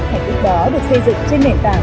hành tích đó được xây dựng trên nền tảng